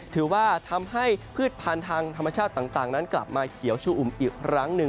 ถือว่าทำให้พืชพันธุ์ทางธรรมชาติต่างนั้นกลับมาเขียวชูอุ่มอีกครั้งหนึ่ง